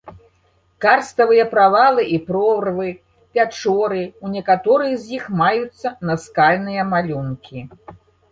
Карставыя правалы і прорвы, пячоры, у некаторых з іх маюцца наскальныя малюнкі.